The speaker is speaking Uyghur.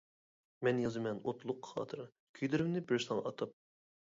مەن يازىمەن ئوتلۇق خاتىرە، كۈيلىرىمنى بىر ساڭا ئاتاپ.